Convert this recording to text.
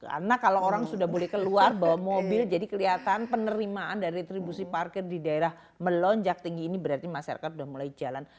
karena kalau orang sudah boleh keluar bawa mobil jadi kelihatan penerimaan dari retribusi parkir di daerah melonjak tinggi ini berarti masyarakat sudah mulai jalan